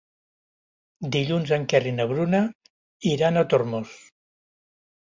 Dilluns en Quer i na Bruna iran a Tormos.